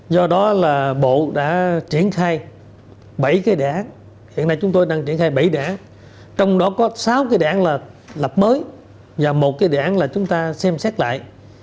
do đó là bộ đã triển khai bảy cái đảng hiện nay chúng tôi đang triển khai bảy đảng trong đó có sáu cái đảng là lập mới và một cái đảng là chúng ta xem xét lại